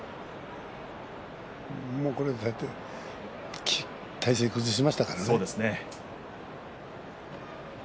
体勢を崩しましたからね。